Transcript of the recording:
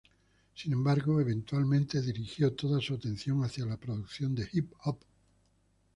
Sin embargo, eventualmente dirigió toda su atención hacia la producción de hip hop.